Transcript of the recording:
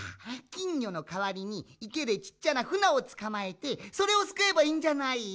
きんぎょのかわりにいけでちっちゃなフナをつかまえてそれをすくえばいいんじゃない？